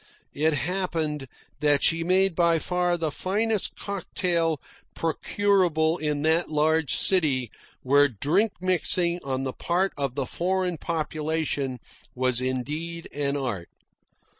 It happened that she made by far the finest cocktail procurable in that large city where drink mixing on the part of the foreign population was indeed an art.